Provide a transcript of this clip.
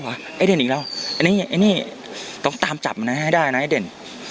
ก็ต้องตามจับมันนั้นให้ได้นะเด่น